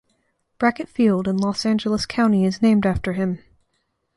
Brackett Field in Los Angeles County is named after him.